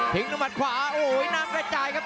ถิงต้นมันขวาน้ำกระจายครับ